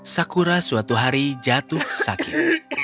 sakura suatu hari jatuh sakit